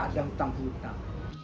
gak ada yang hutang hutang